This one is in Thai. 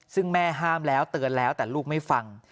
ซึ่งแม่ห้ามแล้วเตือนแล้วแต่ลูกไม่ฟัง